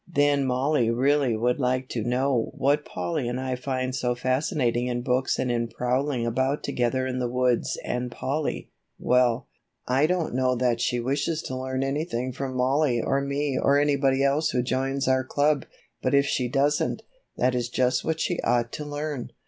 Then Mollie really would like to know what Polly and I find so fascinating in books and in prowling about together in the woods and Polly well, I don't know that she wishes to learn anything from Mollie or me or anybody else who joins our club, but if she doesn't, that is just what she ought to learn."